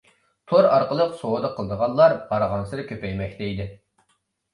تور ئارقىلىق سودا قىلىدىغانلار بارغانسېرى كۆپەيمەكتە ئىدى.